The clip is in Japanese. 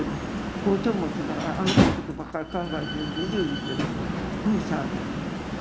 包丁持ちながら、あの子のことばっかり考えてうじうじしててもしゃあない。